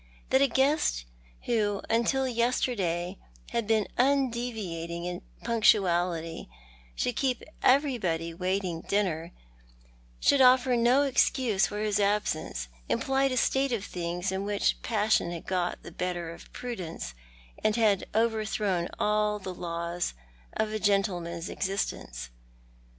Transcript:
That a guest who until yesterday had been undeviating in punctuality, should keep everybody waiting dinner, and should offer no excuse for his absence, implied a state of things in which passion had got the better of prudence, and had overthrown all the laws of a gentle man's existence.